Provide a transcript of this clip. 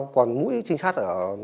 còn mũi trinh sát